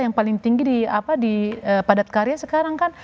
yang paling tinggi di padat karya sekarang kan